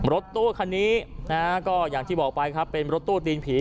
รถตู้คันนี้นะฮะก็อย่างที่บอกไปครับเป็นรถตู้ตีนผี